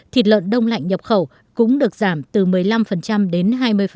thịt lợn đông lạnh nhập khẩu cũng được giảm từ một mươi năm đến hai mươi